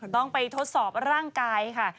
ต้องไปทดสอบร่างกายค่ะ